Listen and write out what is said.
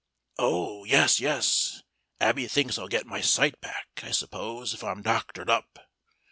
"Oh! yes, yes Abby thinks I'll get my sight back, I suppose, if I'm doctored up.